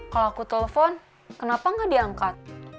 kalau aku telepon kenapa gak diangkat